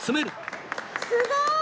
すごーい！